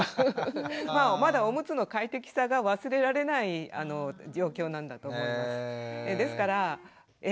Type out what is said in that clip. まあまだおむつの快適さが忘れられない状況なんだと思います。